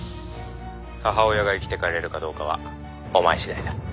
「母親が生きて帰れるかどうかはお前次第だ」